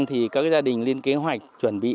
thì các gia đình lên kế hoạch chuẩn bị